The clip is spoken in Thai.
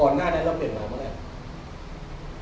ก่อนหน้านั้นเราเปลี่ยนเหรอเมื่อไหร่